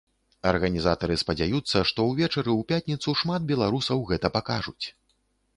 Арганізатары спадзяюцца, што ўвечары ў пятніцу шмат беларусаў гэта пакажуць.